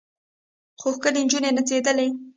څو ښکلې نجونې نڅېدلې.